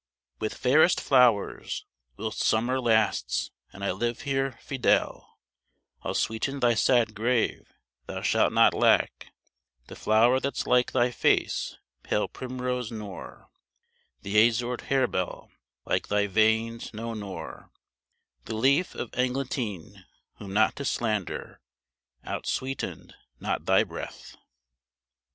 With fairest flowers, Whilst summer lasts, and I live here, Fidele, I'll sweeten thy sad grave; thou shalt not lack The flower that's like thy face, pale primrose; nor The azured harebell like thy veins; no, nor The leaf of eglantine; whom not to slander, Outsweetened not thy breath.